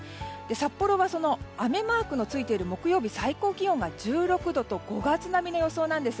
札幌は雨マークのついている木曜日の最高気温が１６度と５月並みの予想なんです。